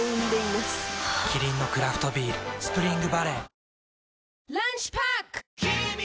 キリンのクラフトビール「スプリングバレー」